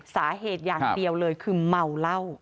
สาเหตุอย่างเดียวเลยคือเมาเหล้า